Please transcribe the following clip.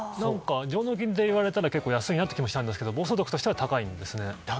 上納金って言われたら結構安いなという気もしたんですが暴走族としては高いんですね。